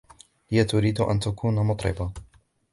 هي تريد أن تكون مطربة.